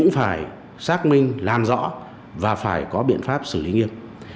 phải xác minh làm rõ và phải có biện pháp xử lý nghiêm